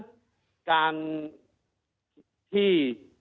เพราะฉะนั้นการที่